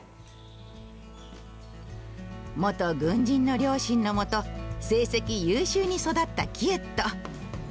元軍人の両親のもと成績優秀に育ったキエット。